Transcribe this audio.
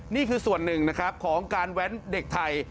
นี่คือส่วนหนึ่งนะครับของการแว้นเด็กไทย